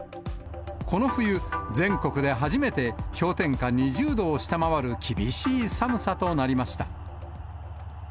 この冬、全国で初めて氷点下２０度を下回る厳しい寒さとなりました。